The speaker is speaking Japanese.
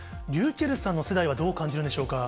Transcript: ｒｙｕｃｈｅｌｌさんの世代はどう感じるんでしょうか。